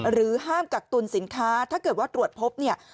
ห้ามกักตุลสินค้าถ้าเกิดว่าตรวจพบเนี่ย